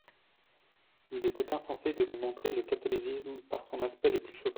Il était insensé de lui montrer le catholicisme par son aspect le plus choquant.